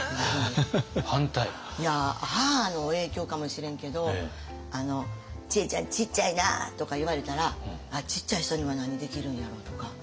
母の影響かもしれんけど「智恵ちゃんちっちゃいな」とか言われたら「ちっちゃい人には何できるんやろ？」とか。